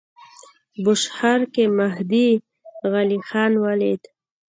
بوشهر کې مهدی علیخان ولیدی.